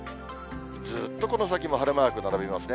ずっとこの先も晴れマーク並びますね。